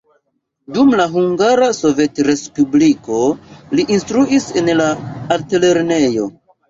Dum la Hungara Sovetrespubliko li instruis en la altlernejo.